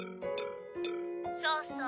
「そうそう。